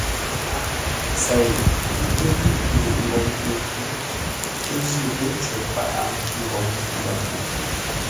Tsei ńté ghíʼ mbuʼ-ngoŋ kə ghʉ̌ pə́ jî ghô cər paghʼə ngoŋ Mbəfuŋ.